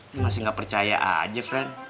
lu masih ga percaya aja friend